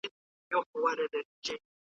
مغولو د دیني علماوو مرسته وغوښته.